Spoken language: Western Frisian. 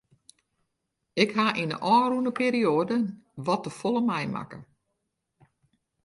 Ik ha yn de ôfrûne perioade wat te folle meimakke.